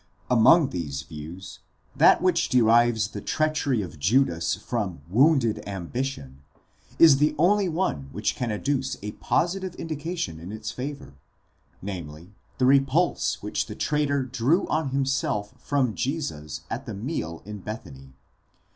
® Among these views, that which derives the treachery of Judas from wounded ambition, is the only one which can adduce a positive indication in its favour: namely, the repulse which the traitor drew on himself from Jesus at the meal in Bethany.